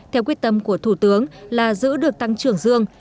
theo quyết tâm của thủ tướng là giữ được tăng trưởng dương